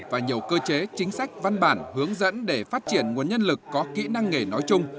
và nhiều cơ chế chính sách văn bản hướng dẫn để phát triển nguồn nhân lực có kỹ năng nghề nói chung